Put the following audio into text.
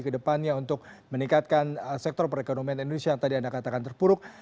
kedepannya untuk meningkatkan sektor perekonomian indonesia yang tadi anda katakan terpuruk